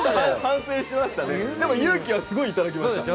でも勇気はすごいいただきました。